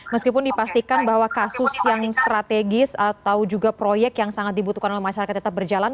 meskipun dipastikan bahwa kasus yang strategis atau juga proyek yang sangat dibutuhkan oleh masyarakat tetap berjalan